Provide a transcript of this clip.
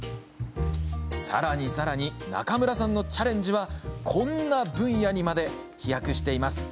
さらにさらに中村さんのチャレンジはこんな分野にまで飛躍しています。